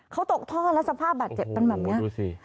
เขาตกท่อแล้วสภาพบาดเจ็บมันแบบนั้น